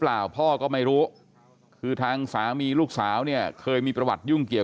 พ่อก็ไม่รู้คือทางสามีลูกสาวเนี่ยเคยมีประวัติยุ่งเกี่ยว